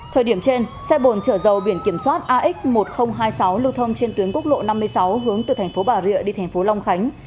thời điểm trên xe bồn chở dầu biển kiểm soát ax một nghìn hai mươi sáu lưu thông trên tuyến quốc lộ năm mươi sáu hướng từ thành phố bà rịa đi thành phố long khánh